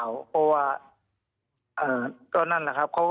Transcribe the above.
เพราะว่าก็นั่นแหละครับ